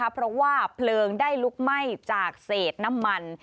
เพราะว่าเพลิงได้ลุกไหม้จากเศษน้ำมัน